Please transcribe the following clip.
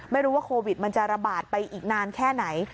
ไม่รู้ว่าโควิดมันจะระบาดไปอีกนานแค่ไหน